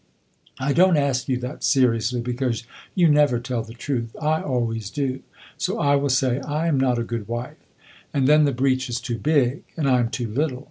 I don't ask you that seriously, because you never tell the truth. I always do; so I will say I am not a good wife. And then the breach is too big, and I am too little.